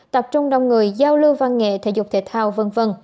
tập trung đông người giao lưu văn nghệ thể dục thể thao v v